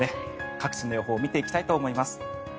各地の予報を見ていきたいと思います。